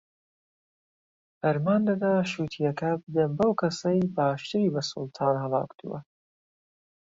فەرمان دەدا شووتییەکە بدەن بەو کەسەی باشتری بە سوڵتان هەڵاکوتووە